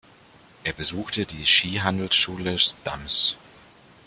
Er besuchte die Skihandelsschule Stams.